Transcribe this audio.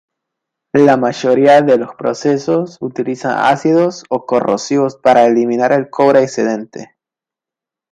La mayoría de los procesos utilizan ácidos o corrosivos para eliminar el cobre excedente.